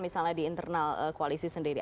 misalnya di internal koalisi sendiri